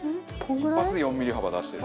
一発で４ミリ幅出してる。